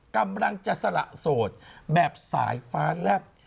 กำลังจะสละโสดแบบสายฟ้าแลบ